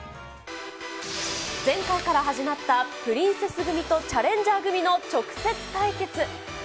前回から始まったプリンセス組とチャレンジャー組の直接対決。